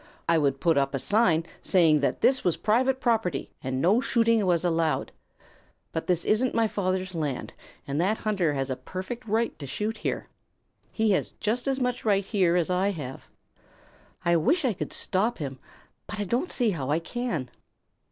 I would put up a sign saying that this was private property and no shooting was allowed. But it isn't my father's land, and that hunter has a perfect right to shoot here. He has just as much right here as I have. I wish I could stop him, but I don't see how I can."